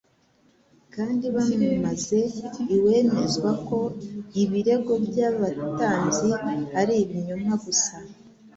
kandi bamaze lwemezwa ko ibirego by'abatambyi ari ibinyoma gusa.